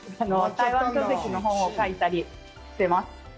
台湾書籍の本を書いたりしてます。